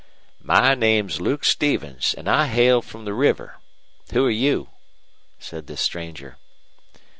"My name's Luke Stevens, an' I hail from the river. Who're you?" said this stranger.